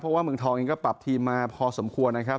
เพราะว่าเมืองทองเองก็ปรับทีมมาพอสมควรนะครับ